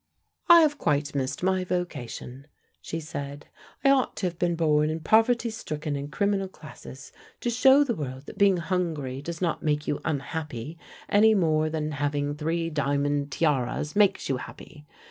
"I have quite missed my vocation," she said. "I ought to have been born in poverty stricken and criminal classes to show the world that being hungry does not make you unhappy any more than having three diamond tiaras makes you happy.